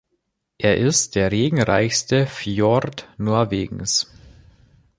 Er ist der regenreichste Fjord Norwegens.